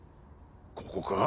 ここか？